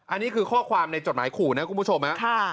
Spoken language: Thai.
อันนี้คือข้อความในจดหมายขู่นะคุณผู้ชม